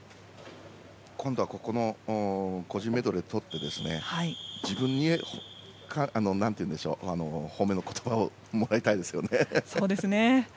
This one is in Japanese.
今度は個人メドレーでとって自分に褒めの言葉をもらいたいですね。